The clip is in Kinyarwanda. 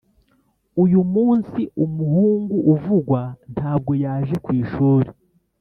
uyu munsi umuhungu uvugwa ntabwo yaje ku ishuri.